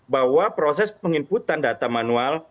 bahwa proses penginputan data manual